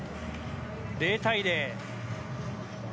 ０対０。